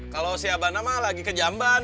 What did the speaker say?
kalau si abang nama lagi ke jamban